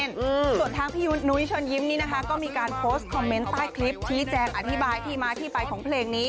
ส่วนทางของพี่นุ้ยชนยิ้มก็มีการโพสต์คอมเมนต์ใต้คลิปชี้แจงอธิบายที่มาที่ไปของเพลงนี้